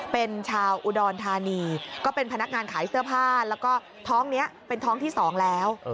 เป็นชาวอุดรธานีก็เป็นพนักงานขายเสื้อผ้าแล้วก็ท้องนี้เป็นท้องที่๒แล้ว